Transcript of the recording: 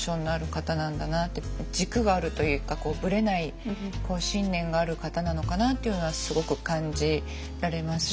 軸があるというかぶれない信念がある方なのかなっていうのはすごく感じられます。